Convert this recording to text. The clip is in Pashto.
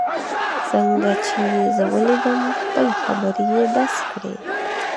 څنګه چي یې زه ولیدم، خپلې خبرې یې بس کړې.